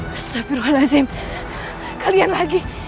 astagfirullahaladzim kalian lagi